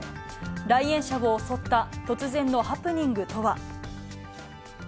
来園者を襲った突然のハプニングとは。